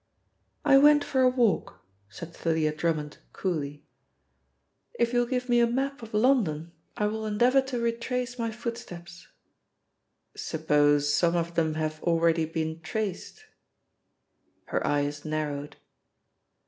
"I went for a walk," said Thalia Drummond coolly. "If you will give me a map of London, I will endeavour to retrace my footsteps." "Suppose some of them have already been traced?" Her eyes narrowed.